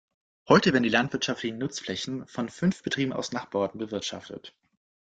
Heute werden die landwirtschaftlichen Nutzflächen von fünf Betrieben aus Nachbarorten bewirtschaftet.